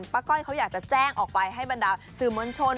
ก้อยเขาอยากจะแจ้งออกไปให้บรรดาสื่อมวลชน